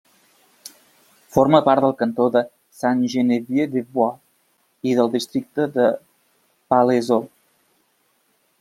Forma part del cantó de Sainte-Geneviève-des-Bois i del districte de Palaiseau.